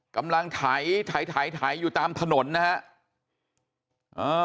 กำลังไถอยู่ตามถนนนะฮะ